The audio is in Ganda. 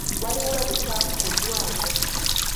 Waliwo obukyafu ku ddwaliro.